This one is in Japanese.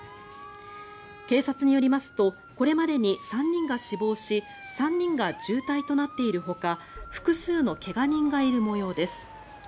警察によりますとこれまでに３人が死亡し３人が重体となっているほか複数の怪我人がいる模様です。